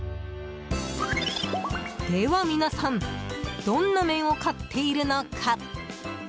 では、皆さんどんな麺を買っているのか？